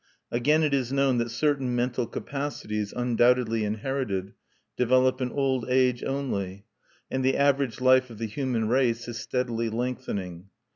Again it is known that certain mental capacities, undoubtedly inherited, develop in old age only; and the average life of the human race is steadily lengthening.